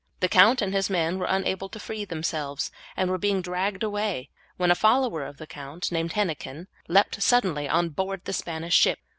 The Count and his men were unable to free themselves, and were being dragged away, when a follower of the count named Hennekin leapt suddenly on board the Spanish ship.